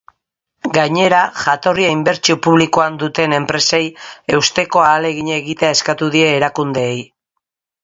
Gainera, jatorria inbertsio publikoan duten enpresei eusteko ahalegina egitea eskatu die erakundeei.